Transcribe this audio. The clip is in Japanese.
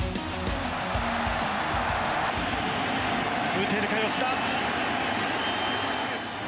打てるか、吉田。